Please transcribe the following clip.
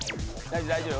大丈夫。